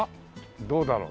どうだろう？